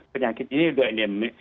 penyakit ini sudah